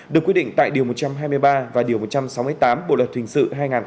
được quy định tại điều một trăm hai mươi ba và điều một trăm sáu mươi tám bộ luật hình sự hai nghìn một mươi năm